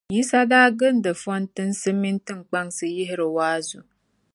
Yisa daa gindi fɔntinsi mini tiŋkpansi yihiri waazu.